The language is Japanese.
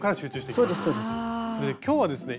それで今日はですね